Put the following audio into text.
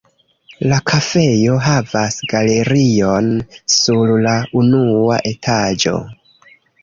La kafejo havas galerion sur la unua etaĝo.